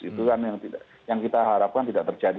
itu kan yang kita harapkan tidak terjadi